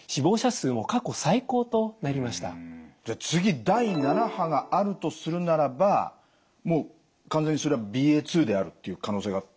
じゃあ次第７波があるとするならばもう完全にそれはＢＡ．２であるっていう可能性が高いんですかね？